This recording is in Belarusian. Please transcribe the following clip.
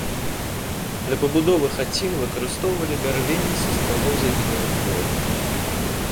Для пабудовы хацін выкарыстоўвалі бярвенні са ствалоў загінулых дрэў.